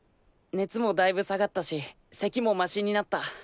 熱もだいぶ下がったし咳もマシになった。